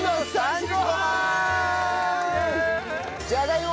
じゃがいも！